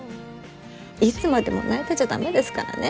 いつまでも泣いてちゃ駄目ですからね。